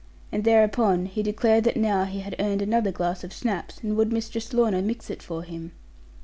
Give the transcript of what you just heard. And thereupon he declared that now he had earned another glass of schnapps, and would Mistress Lorna mix it for him?